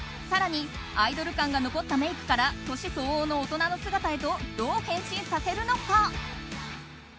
更にアイドル感が残ったメイクから年相応の大人の姿へとどう変身させるのか。